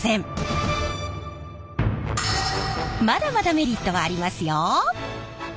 まだまだメリットはありますよ！